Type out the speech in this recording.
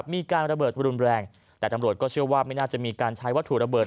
มีการระเบิดรุนแรงแต่ตำรวจก็เชื่อว่าไม่น่าจะมีการใช้วัตถุระเบิด